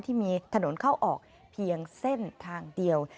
ที่มีถนนเข้าออกเพียงเส้นทางเดียว